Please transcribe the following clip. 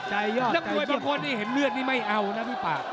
และบางคนเห็นเลือดนี่ไม่เอานะพี่ปาก